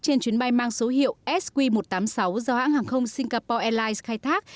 trên chuyến bay mang số hiệu sq một trăm tám mươi sáu do hãng hàng không singapore airlines khai thác